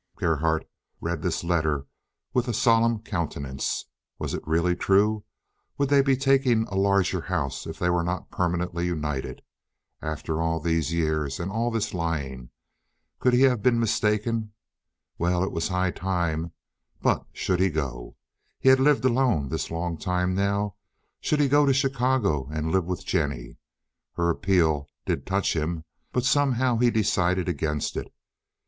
Gerhardt read this letter with a solemn countenance, Was it really true? Would they be taking a larger house if they were not permanently united? After all these years and all this lying? Could he have been mistaken? Well, it was high time—but should he go? He had lived alone this long time now—should he go to Chicago and live with Jennie? Her appeal did touch him, but somehow he decided against it.